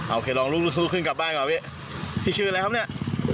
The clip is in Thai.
โอเคลองลูกลูกสู้ขึ้นกลับบ้านก่อนพี่พี่ชื่ออะไรครับเนี่ย